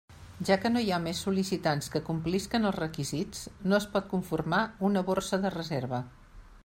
Ja que no hi ha més sol·licitants que complisquen els requisits no es pot conformar una borsa de reserva.